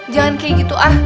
jangan kayak gitu ah